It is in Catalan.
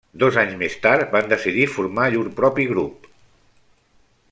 Dos anys més tard van decidir formar llur propi grup.